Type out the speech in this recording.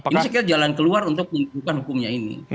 ini sekilas jalan keluar untuk menentukan hukumnya ini